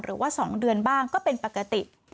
หรือว่า๒เดือนบ้างก็เป็นปกติ